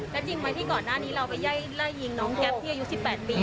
แล้วจริงไหมที่ก่อนหน้านี้เราไปไล่ยิงน้องแก๊ปที่อายุ๑๘ปี